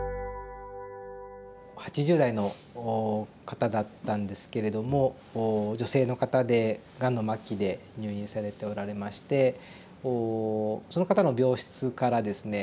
８０代の方だったんですけれども女性の方でがんの末期で入院されておられましてこうその方の病室からですね